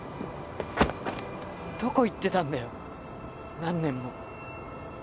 どこ行ってたんだよ何年も。